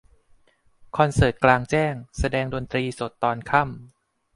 คอนเสิร์ตกลางแจ้งแสดงดนตรีสดตอนค่ำ